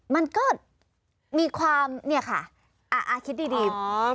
มันก็มีความนี่ค่ะอ่ะอ่ะคิดดี